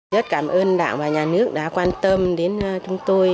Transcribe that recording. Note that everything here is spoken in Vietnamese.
rất cảm ơn đảng và nhà nước đã quan tâm đến chúng tôi